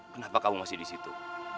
kenapa kamu masih di situ